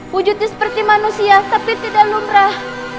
wujudnya seperti manusia tapi tidak lumrah